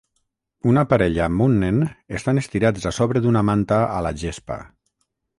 Una parella amb un nen estan estirats a sobre d'una manta a la gespa.